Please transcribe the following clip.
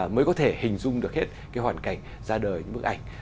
mới có thể hình dung được hết cái hoàn cảnh ra đời những bức ảnh